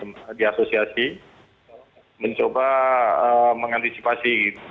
kontak kontak kami di asosiasi mencoba mengantisipasi